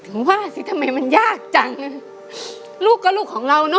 ถึงว่าสิทำไมมันยากจังลูกก็ลูกของเราเนอ